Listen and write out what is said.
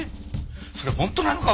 それ本当なのか？